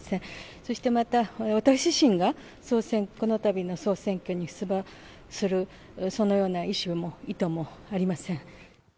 そしてまた、私自身がこのたびの総選挙に出馬する、そのような意思も、意図もありません。